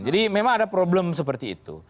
jadi memang ada problem seperti itu